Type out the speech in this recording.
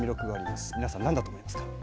皆さん何だと思いますか？